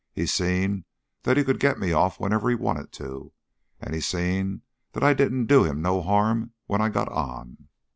He seen that he could get me off whenever he wanted to and he seen that I didn't do him no harm when I got on.